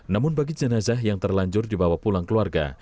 namun bagi jenazah yang terlanjur dibawa pulang keluarga